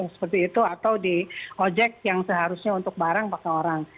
seperti itu atau di ojek yang seharusnya untuk barang pakai orang